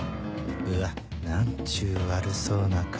うわ何ちゅう悪そうな顔